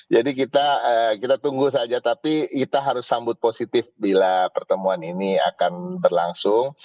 jadi kita tunggu saja tapi kita harus sambut positif bila pertemuan ini akan berlangsung